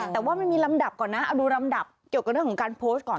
แต่ว่ามันมีลำดับก่อนนะเอาดูลำดับเกี่ยวกับเรื่องของการโพสต์ก่อน